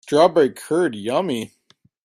Strawberry curd, yummy!